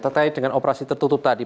terkait dengan operasi tertutup tadi